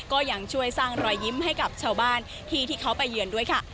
ก็ยังช่วยสร้างรอยยิ้มให้กับชาวบ้านที่ที่เขาไปเยือนด้วยค่ะ